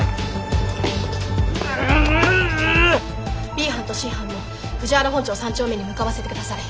Ｂ班とＣ班も藤原本町３丁目に向かわせて下さい。